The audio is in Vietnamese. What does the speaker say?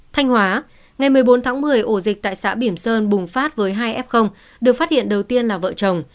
thanh hóa ngày một mươi bốn tháng một mươi ổ dịch tại xã bỉm sơn bùng phát với hai f được phát hiện đầu tiên là vợ chồng